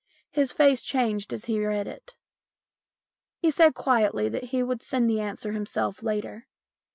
His face changed as he read it. He said quietly that he would send the answer himself later.